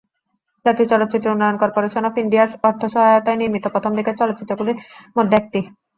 জাতীয় চলচ্চিত্র উন্নয়ন কর্পোরেশন অফ ইন্ডিয়ার অর্থ সহায়তায় নির্মিত প্রথম দিকের চলচ্চিত্রগুলির মধ্যে একটি।